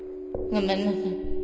ごめんなさい